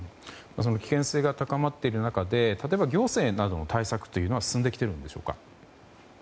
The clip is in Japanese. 危険性が高まっている中で例えば行政などの対策というのは進んできているんでしょうか？